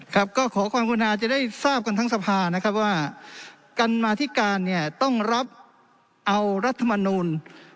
ครับก็ขอความกุณาจะได้ทราบกันทั้งสภานะครับว่าการมาธิการเนี่ยต้องรับเอารัฐมนูล